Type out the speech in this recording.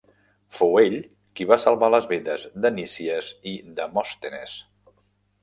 Fou ell qui va salvar les vides de Nícies i Demòstenes.